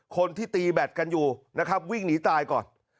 คนที่ตีแบตกันอยู่นะครับวิ่งหนีตายก่อน